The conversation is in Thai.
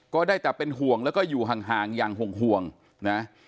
ก็ได้แต่เป็นห่วงแล้วก็อยู่ห่างอย่างห่วงนะ